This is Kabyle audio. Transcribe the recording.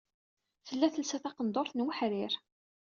Tella telsa taqendurt n weḥrir.